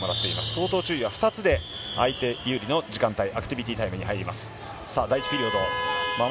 口頭注意は２つで相手が有利なアクティビティタイムに入ります。